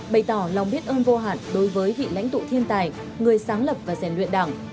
bày tỏ lòng biết ơn vô hạn đối với vị lãnh tụ thiên tài người sáng lập và rèn luyện đảng